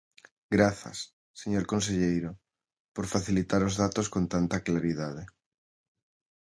Grazas, señor conselleiro, por facilitar os datos con tanta claridade.